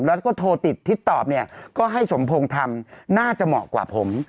แล้วก็โทรติดทิศตอบเนี่ยก็ให้สมพงศ์ทำน่าจะเหมาะกว่าผม